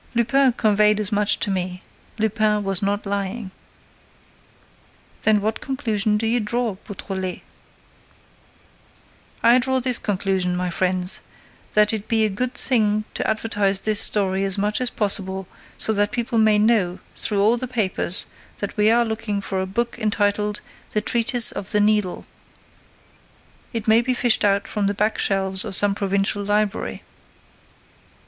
Lupin conveyed as much to me; Lupin was not lying." "Then what conclusion do you draw, Beautrelet?" "I draw this conclusion, my friends, that it be a good thing to advertise this story as much as possible, so that people may know, through all the papers, that we are looking for a book entitled The Treatise of the Needle. It may be fished out from the back shelves of some provincial library."